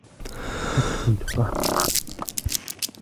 هل تريد قهوة ؟